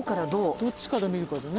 どっちから見るかでね。